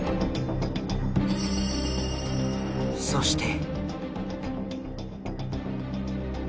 そして。